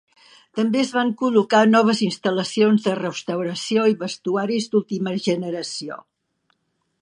També es van col·locar noves instal·lacions de restauració i vestuaris d'última generació.